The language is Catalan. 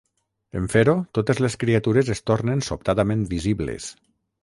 En fer-ho, totes les criatures es tornen sobtadament visibles.